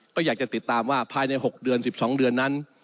ก็อยากจะติดตามว่าภายใน๖เดือน๑๒เดือนนั้น